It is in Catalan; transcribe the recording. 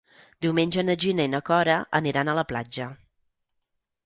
Diumenge na Gina i na Cora aniran a la platja.